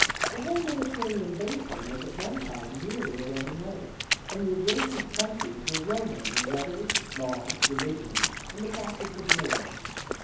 The whole Mediterranean basin was at one time merely a Roman lake, and the adjacent countries were Roman in letters, law, religion and the practice of war.